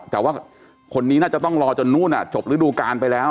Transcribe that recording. แต่ว่าคนนี้น่าจะต้องรอจนนู่นจบฤดูการไปแล้ว